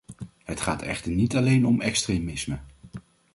Het gaat echter niet alleen om extremisme.